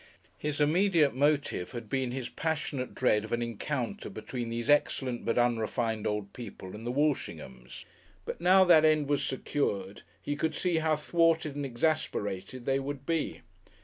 His immediate motive had been his passionate dread of an encounter between these excellent but unrefined old people and the Walshinghams, but now that end was secured, he could see how thwarted and exasperated they would be.